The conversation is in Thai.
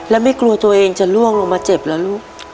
แล้วไม่กลัวตัวเองจะล่วงลงมาเจ็บเหรอลูก